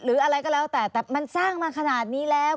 หรืออะไรก็แล้วแต่แต่มันสร้างมาขนาดนี้แล้ว